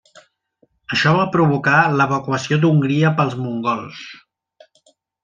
Això va provocar l'evacuació d'Hongria pels mongols.